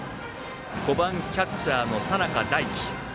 ５番キャッチャーの佐仲大輝。